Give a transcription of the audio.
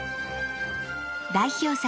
代表作